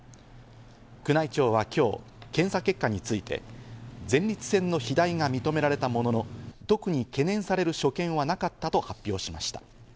宮内庁は今日、検査結果について前立腺の肥大が認められたものの、特に懸念される所見はなかったと発表しました。